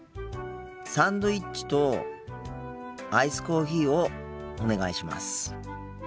サンドイッチとアイスコーヒーをお願いします。